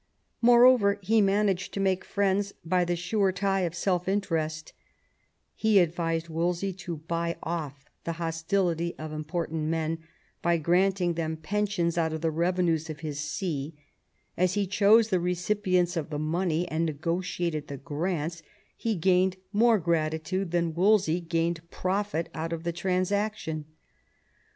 More over, he managed to make friends by the sure tie of self interest He advised Wolsey to buy off the hostility of important men by granting them pensions out of the revenues of his see : as he chose the recipients of the money and negotiated the grants he gained more gratitude than Wolsey gained profit out of the trans action.